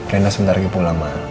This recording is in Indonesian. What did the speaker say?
rena sebentar lagi pulang ma